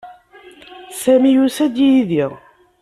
Sami yusa-d yid-i.